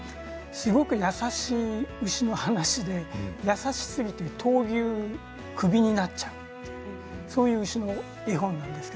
すごく優しい牛の話で優しすぎて闘牛をクビになってしまうというそういう牛の絵本です。